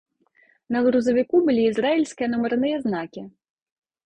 На грузавіку былі ізраільскія нумарныя знакі.